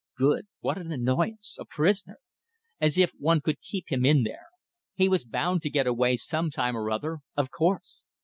Good. What an annoyance! A prisoner! As if one could keep him in there. He was bound to get away some time or other. Of course.